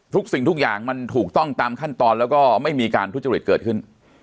สิ่งทุกอย่างมันถูกต้องตามขั้นตอนแล้วก็ไม่มีการทุจริตเกิดขึ้น